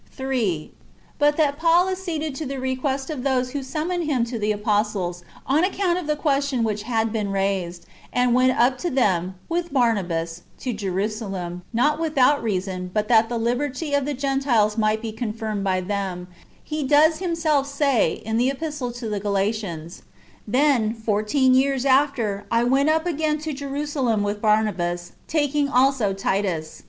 3. But that Paul acceded to [the request of] those who summoned him to the apostles, on account of the question [ which had been raised], and went up to them, with Barnabas, to J erusalem, not without reason, but that the liberty of the Gentiles might be confirmed by them, he does himself say, in the Epistle to the Galatians :" Then, fourteen years after, I went up again to Jerusalem with Barnabas, taking also Titus.